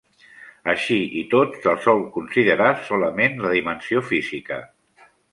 Així i tot, se sol considerar solament la dimensió física.